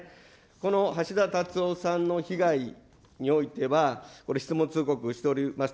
この橋田達夫さんの被害においては、これ、質問通告しております